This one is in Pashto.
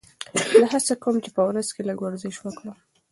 زه هڅه کوم چې په ورځ کې لږ ورزش وکړم.